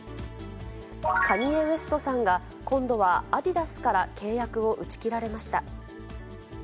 カニエ・ウエストさんが、今度はアディダスから契約を打ち切られました。